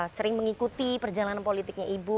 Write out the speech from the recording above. sering mengikuti perjalanan politiknya ibu